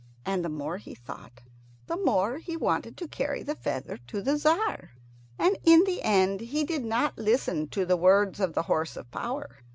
And the more he thought, the more he wanted to carry the feather to the Tzar. And in the end he did not listen to the words of the horse of power.